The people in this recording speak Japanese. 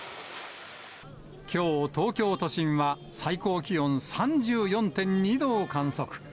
きょう、東京都心は最高気温３４．２度を観測。